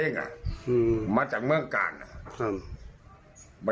นักเล่งอ่ะ